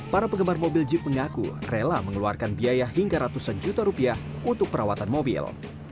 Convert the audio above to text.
para penggemar mobil jeep mengaku rela mengeluarkan biaya hingga ratusan juta rupiah untuk perawatan mobil